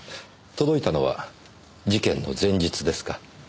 届いたのは事件の前日ですか？